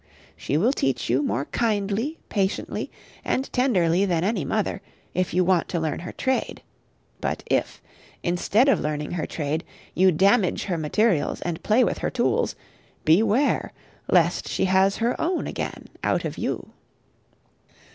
She will teach you more kindly, patiently, and tenderly than any mother, if you want to learn her trade. But if, instead of learning her trade, you damage her materials and play with her tools, beware lest she has her own again out of you.